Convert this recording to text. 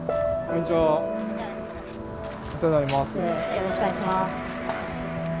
よろしくお願いします。